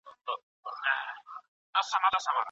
ایمان او اخلاق سره تړلي دي.